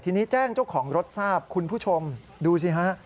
ทีนี้แจ้งเจ้าของรถทราบคุณผู้ชมดูสิฮะ